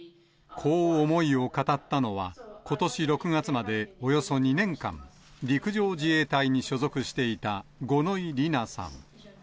こう思いを語ったのは、ことし６月までおよそ２年間、陸上自衛隊に所属していた五ノ井里奈さん。